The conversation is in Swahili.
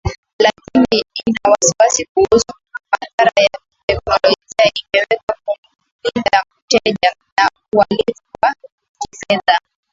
Lakini ina wasiwasi kuhusu madhara ya kiteknolojia ikiwemo kumlinda mteja, na uhalifu wa kifedha.